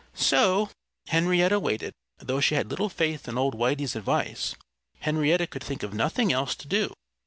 So Henrietta waited. Though she had little faith in old Whitey's advice, Henrietta could think of nothing else to do.